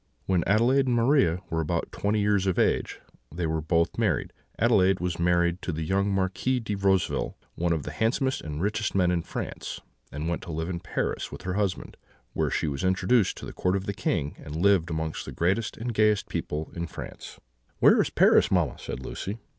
"When Adelaide and Maria were about twenty years of age, they were both married. Adelaide was married to the young Marquis de Roseville, one of the handsomest and richest men in France, and went to live in Paris with her husband, where she was introduced to the court of the king, and lived amongst the greatest and gayest people in France." "Where is Paris, mamma?" said Lucy.